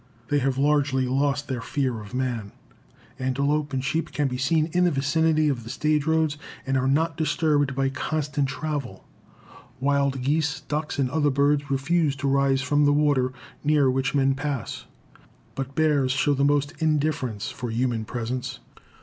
They have largely lost their fear of man. Antelope and sheep can be seen in the vicinity of the stage roads, and are not disturbed by constant travel. Wild geese, ducks and other birds refuse to rise from the water near which men pass. But bears show the most indifference for human presence.